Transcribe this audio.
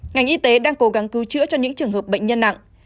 ngành y tế đang cố gắng cứu chữa cho những trường hợp bệnh nhân nặng